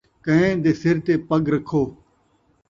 کئیں دے سر تے پڳ رکھو